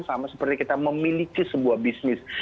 sama seperti kita memiliki sebuah bisnis